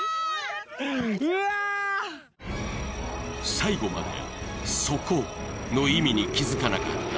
最後まで「そこ」の意味に気づかなかった槙野